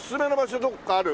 どこかある？